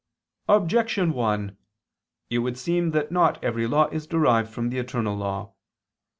Objection 1: It would seem that not every law is derived from the eternal law.